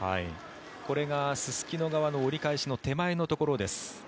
これがすすきの側の折り返しの手前のところです。